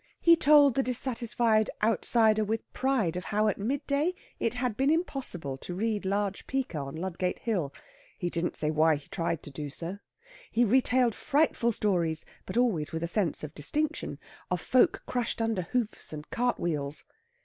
He told the dissatisfied outsider with pride of how at midday it had been impossible to read large pica on Ludgate Hill; he didn't say why he tried to do so. He retailed frightful stories but always with a sense of distinction of folk crushed under hoofs and cart wheels.